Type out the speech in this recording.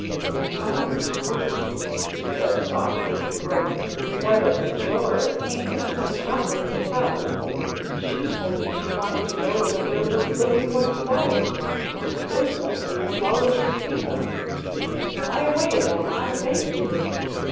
"You're telling the truth," he said softly and groaned, whether from joy or pain it was impossible to tell. "She told me she wanted to go where there were floating white flowers. Those must be the flowers you speak of. Fly away, then. I thank you."